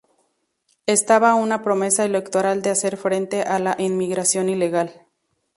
Estaba una promesa electoral de hacer frente a la inmigración ilegal.